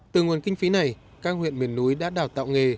từ nguồn kinh phí này các huyện miền núi đã đào tạo nghề